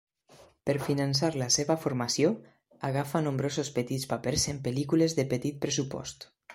Per finançar la seva formació, agafa nombrosos petits papers en pel·lícules de petit pressupost.